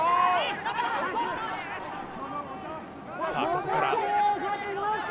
ここから。